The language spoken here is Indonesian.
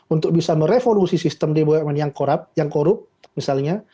untuk bisa merevolusi sistem bumn yang korup misalnya